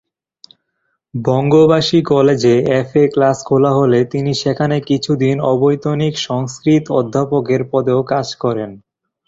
বঙ্গবাসী কলেজে FA class খোলা হলে তিনি সেখানে কিছুদিন অবৈতনিক সংস্কৃত অধ্যাপকের পদেও কাজ করেন।